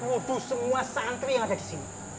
wudhu semua santri yang ada di sini